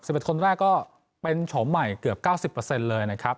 ๑คนแรกก็เป็นโฉมใหม่เกือบเก้าสิบเปอร์เซ็นต์เลยนะครับ